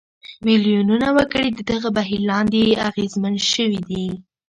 میلیونونه وګړي د دغه بهیر لاندې اغېزمن شوي دي.